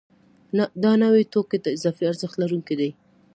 دا نوي توکي د اضافي ارزښت لرونکي دي